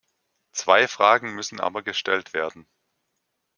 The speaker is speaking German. Zwei Fragen müssen aber gestellt werden.